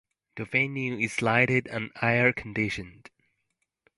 The venue is lighted and air conditioned.